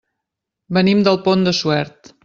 Venim del Pont de Suert.